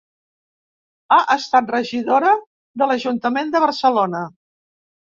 Ha estat regidora de l'Ajuntament de Barcelona.